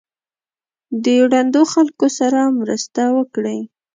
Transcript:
د ړندو خلکو سره مرسته وکړئ.